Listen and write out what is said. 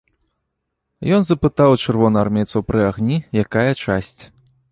Ён запытаў у чырвонаармейцаў пры агні, якая часць.